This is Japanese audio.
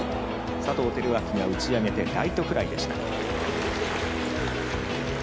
佐藤輝明が打ち上げてライトフライでした。